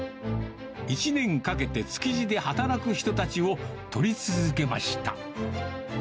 １年かけて築地で働く人たちを撮り続けました。